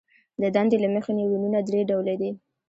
د دندې له مخې نیورونونه درې ډوله دي.